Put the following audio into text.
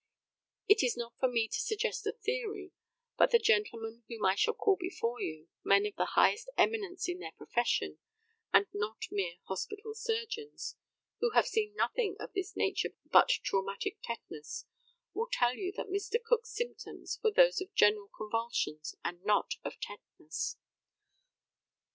It is not for me to suggest a theory; but the gentlemen whom I shall call before you men of the highest eminence in their profession, and not mere hospital surgeons, who have seen nothing of this nature but traumatic tetanus will tell you that Mr. Cook's symptoms were those of general convulsions, and not of tetanus.